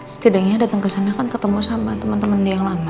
setidaknya dateng kesana kan ketemu sama temen temennya yang lama